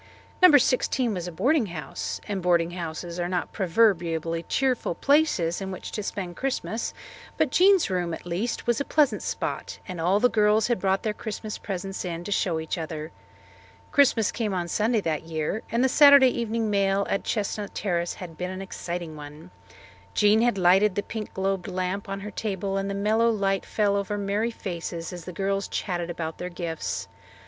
No. 16 was a boarding house, and boarding houses are not proverbially cheerful places in which to spend Christmas, but Jean's room, at least, was a pleasant spot, and all the girls had brought their Christmas presents in to show each other. Christmas came on Sunday that year and the Saturday evening mail at Chestnut Terrace had been an exciting one. Jean had lighted the pink globed lamp on her table and the mellow light fell over merry faces as the girls chatted about their gifts.